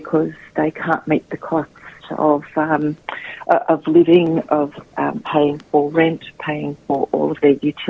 karena mereka tidak bisa mencapai kos hidup membeli uang membeli semua perusahaan dan semua makanan mereka